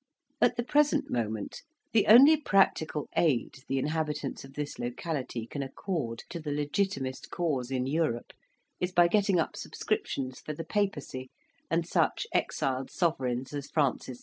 At the present moment the only practical aid the inhabitants of this locality can accord to the legitimist cause in Europe, is by getting up subscriptions for the Papacy, and such exiled Sovereigns as Francis II.